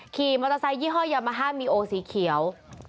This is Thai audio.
ขี่มอเตอร์ไซคยี่ห้อยามาฮามีโอสีเขียว